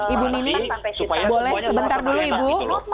ibu nining boleh sebentar dulu ibu